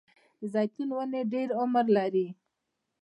د زیتون ونې ډیر عمر کوي